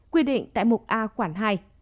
quy định tại mục a khoảng hai